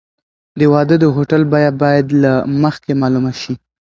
د واده د هوټل بیه باید له مخکې معلومه شي.